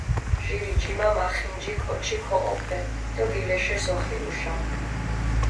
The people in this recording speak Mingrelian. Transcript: ჟირი ჯიმა მახინჯი კოჩი ქოჸოფე დო გილეშეს ოხირუშა.